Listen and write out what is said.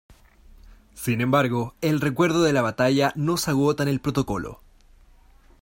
Sin embargo, el recuerdo de la batalla no se agota en el protocolo.